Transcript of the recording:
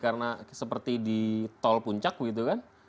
karena seperti di tol puncak gitu kan